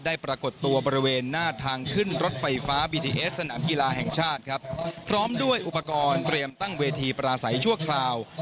ปรากฏตัวบริเวณหน้าทางขึ้นรถไฟฟ้าบีทีเอสสนามกีฬาแห่งชาติครับพร้อมด้วยอุปกรณ์เตรียมตั้งเวทีปราศัยชั่วคราว